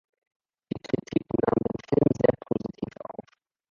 Die Kritik nahm den Film sehr positiv auf.